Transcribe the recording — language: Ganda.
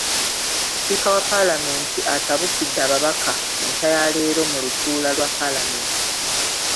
Sipiika wa Palamenti, atabukidde ababaka enkya ya leero mu lutuula lwa Paalamenti.